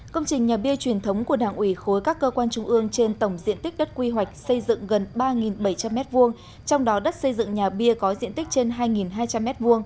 công trình nhà bia truyền thống của đảng ủy khối các cơ quan trung ương trên tổng diện tích đất quy hoạch xây dựng gần ba bảy trăm linh m hai trong đó đất xây dựng nhà bia có diện tích trên hai hai trăm linh m hai